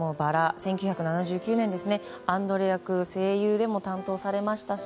１９７９年ですがアンドレ役声優でも担当されましたし